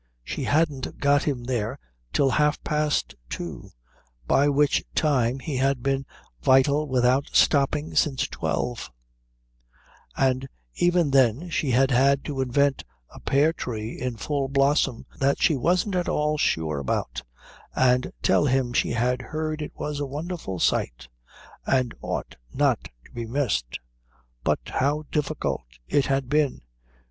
She hadn't got him there till half past two, by which time he had been vital without stopping since twelve, and even then she had had to invent a pear tree in full blossom that she wasn't at all sure about, and tell him she had heard it was a wonderful sight and ought not to be missed. But how difficult it had been.